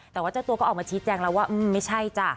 แต่ว่าเจ้าตัวก็ออกมาชี้แจงแล้วว่าไม่ใช่จ้ะ